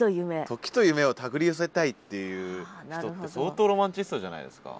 時と夢を手繰り寄せたいっていう人って相当ロマンチストじゃないですか。